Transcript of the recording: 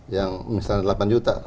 yang misalnya delapan juta